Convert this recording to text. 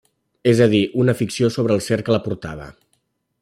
És a dir, una ficció sobre el ser que la portava.